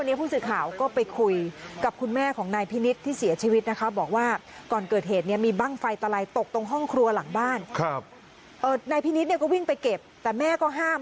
ในพินิศก็วิ่งไปเก็บแต่แม่ก็ห้าม